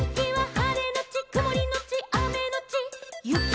「はれのちくもりのちあめのちゆき」